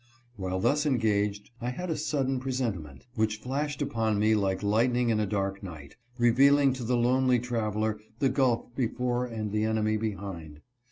While thus engaged, I had a sudden presentiment, which flashed upon me like lightning in a dark night, revealing to the lonely traveler the gulf before and the enemy behind.